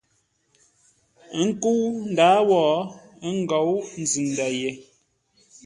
Ə́ nkə́u ndǎa wó, ə́ ngǒu nzʉ-ndə̂ ye.